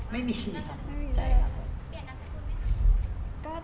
ไม่มีนะครับ